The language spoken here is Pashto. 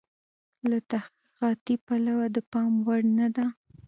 له تحقیقاتي پلوه د پام وړ نه ده.